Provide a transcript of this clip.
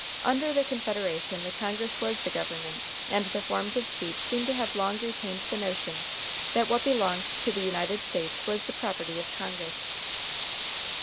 Under the Confederation, the Congress was the government, and the forms of speech seem to have long retained the notion that what belonged to the United States was the property of Congress.